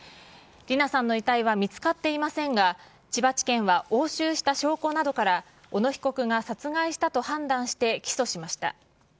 理奈さんの遺体は見つかっていませんが、千葉地検は押収した証拠などから、小野被告が殺害したと判断して起訴しました。